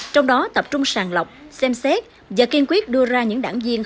trong đó tập trung sàng lọc xem xét và kiên quyết đưa ra những đảng viên